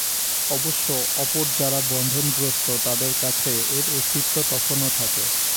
অবশ্য অপর যারা বন্ধনগ্রস্ত, তাদের কাছে এর অস্তিত্ব তখনও থাকে।